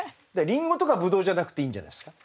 りんごとかぶどうじゃなくていいんじゃないですか？